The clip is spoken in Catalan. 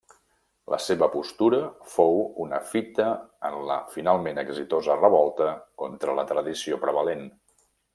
La seva postura fou una fita en la finalment exitosa revolta contra la tradició prevalent.